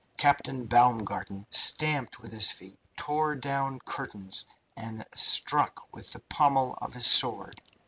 Captain Baumgarten stamped with his feet, tore down curtains, and struck with the pommel of his sword.